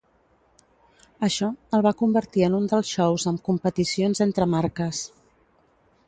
Això el va convertir en un dels shows amb competicions entre marques.